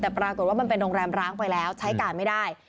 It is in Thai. แต่ปรากฏว่ามันเป็นโรงแรมร้างไปแล้วใช้การไม่ได้